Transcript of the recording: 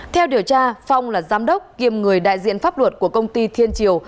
theo điều tra phong là giám đốc kiêm người đại diện pháp luật của công ty thiên triều